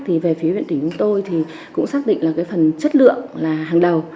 thì về phía viện tỉnh của tôi thì cũng xác định là cái phần chất lượng là hàng đầu